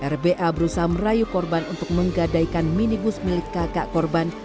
rba berusaha merayu korban untuk menggadaikan minibus milik kakak korban